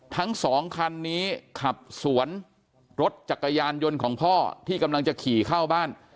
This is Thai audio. ทั้งสองคันนี้ขับสวนรถจักรยานยนต์ของพ่อที่กำลังจะขี่เข้าบ้าน